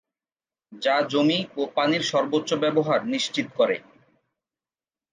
যা জমি ও পানির সর্বোচ্চ ব্যবহার নিশ্চিত করে।